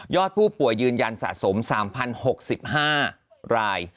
ผู้ป่วยยืนยันสะสม๓๐๖๕ราย